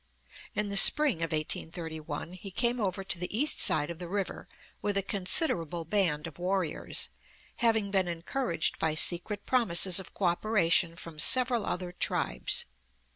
In the spring of 1831 he came over to the east side of the river with a considerable band of warriors, having been encouraged by secret promises of cooperation from several other tribes.